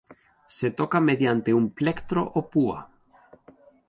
Se toca mediante un plectro o púa.